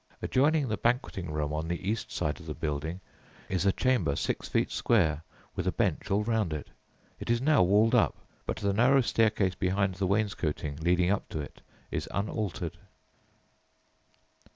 Adjoining the "banqueting room" on the east side of the building is a secret chamber six feet square with a bench all round it. It is now walled up, but the narrow staircase, behind the wainscoting, leading up to it is unaltered.